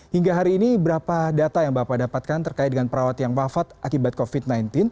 hingga hari ini berapa data yang bapak dapatkan terkait dengan perawat yang wafat akibat covid sembilan belas